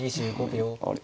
あれ？